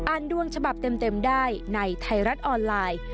ดวงฉบับเต็มได้ในไทยรัฐออนไลน์